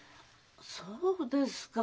そうですか。